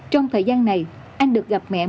trong thời gian này anh được gặp mẹ